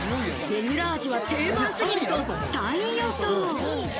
レギュラー味は定番すぎると３位予想。